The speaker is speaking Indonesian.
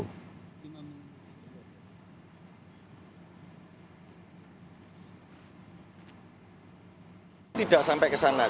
kpu menegaskan akan fokus pada rekapitulasi hasil pemilu terlebih dahulu